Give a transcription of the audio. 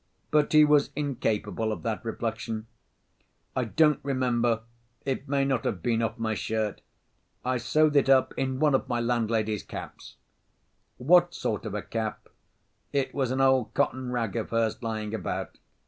But he was incapable of that reflection. 'I don't remember, it may not have been off my shirt, I sewed it up in one of my landlady's caps.' 'What sort of a cap?' 'It was an old cotton rag of hers lying about.